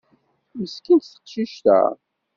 Meskint teqcict-a.